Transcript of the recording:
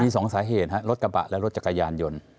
สองสาเหตุฮะรถกระบะและรถจักรยานยนต์